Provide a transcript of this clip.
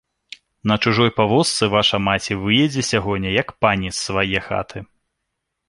На чужой павозцы ваша маці выедзе сягоння, як пані, з свае хаты!